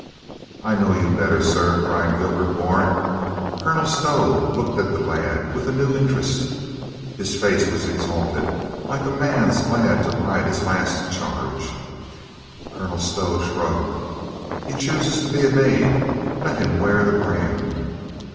"I know you better, sir," cried Gilbert Bourne. Colonel Stow looked at the lad with a new interest. His face was exalted, like a man's glad to ride his last charge. A CAVALIER DIES 363 Colonel Stow shrugged. "He chooses to be a knave. Let him wear the brand."